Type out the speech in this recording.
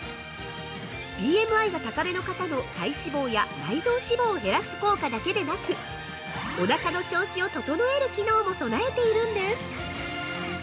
ＢＭＩが高めの方の体脂肪や内臓脂肪を減らす効果だけでなく、おなかの調子を整える機能も備えているんです。